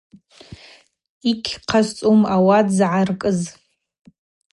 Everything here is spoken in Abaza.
Йыгьцӏаскӏуам ауат згӏаркӏыз.